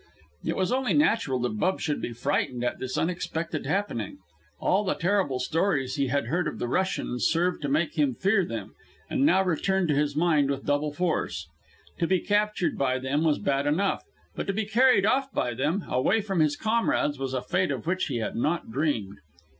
It was only natural that Bub should be frightened at this unexpected happening. All the terrible stories he had heard of the Russians served to make him fear them, and now returned to his mind with double force. To be captured by them was bad enough, but to be carried off by them, away from his comrades, was a fate of which he had not dreamed.